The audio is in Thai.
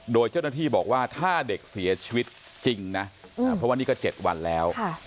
โดยเจ้าหน้าที่บอกว่าถ้าเด็กเสียชีวิตจริงนะเพราะว่านี่ก็๗วันแล้ว